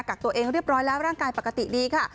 กักตัวเองเรียบร้อยแล้วร่างกายปกติดีค่ะ